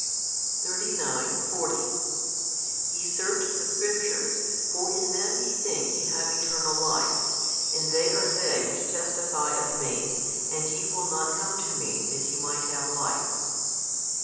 |301 39,40 Ye search the Scriptures, for in them YE think ye have eternal life, and they are they which testify of Me, and ye will not come to Me that ye might have life.